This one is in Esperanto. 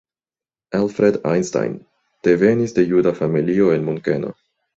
Alfred Einstein devenis de juda familio el Munkeno.